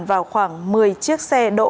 vào khoảng một mươi chiếc xe đỗ